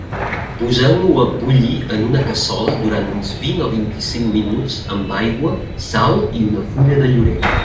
Poseu-lo a bullir en una cassola durant uns vint o vint-i-cinc minuts, amb aigua, sal i una fulla de llorer.